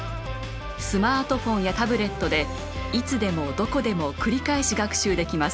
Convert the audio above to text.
スマートフォンやタブレットでいつでもどこでも繰り返し学習できます。